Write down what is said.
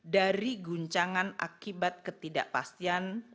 dari guncangan akibat ketidakpastian